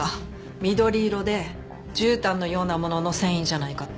緑色でじゅうたんのようなものの繊維じゃないかって。